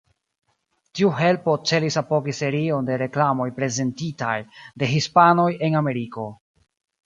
Tiu helpo celis apogi serion de reklamoj prezentitaj de hispanoj en Ameriko.